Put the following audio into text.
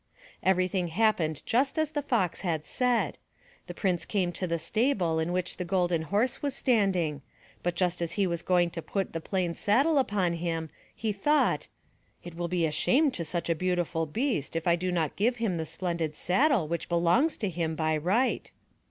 Everything happened just as the Fox had said; the prince came to the stable in which the Golden Horse was standing, but just as he was going to put the plain saddle upon him, he thought: '* It will be a shame to such a beautiful beast, if I do not give him the splendid saddle which belongs to him by right."